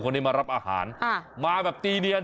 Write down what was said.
คนนี้มารับอาหารมาแบบตีเนียน